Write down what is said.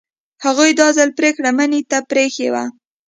هغوی دا ځل پرېکړه مينې ته پرېښې وه